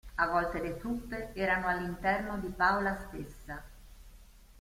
A volte le truppe erano all'interno di Paola stessa.